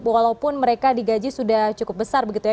walaupun mereka digaji sudah cukup besar begitu ya